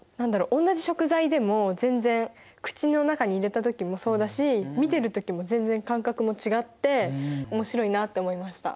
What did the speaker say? おんなじ食材でも全然口の中に入れた時もそうだし見てる時も全然感覚も違っておもしろいなって思いました。